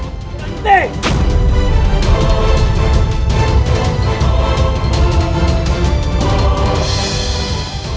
tidak mungkin nyairoh